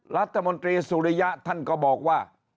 รัฐมนตรีสุริยะท่านก็บอกว่า